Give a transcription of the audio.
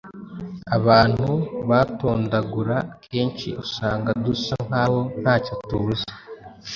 abantu batondagura. Kenshi usanga dusa nk’aho ntacyo tuvuze,